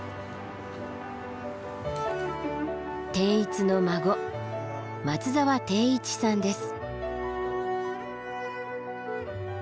貞逸の孫松沢貞一さんです。